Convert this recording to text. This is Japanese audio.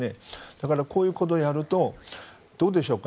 だから、こういうことをやるとどうでしょうか。